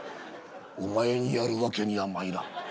「お前にやる訳にはまいらん。